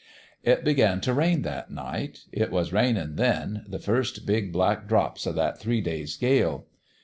" It begun t' rain that night. It was rainin' then the first big black drops o' that three days' gale.